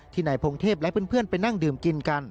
นายพงเทพและเพื่อนไปนั่งดื่มกินกัน